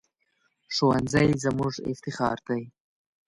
ښوونځی زموږ افتخار دی